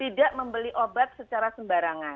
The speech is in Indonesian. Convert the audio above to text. tidak membeli obat secara sembarangan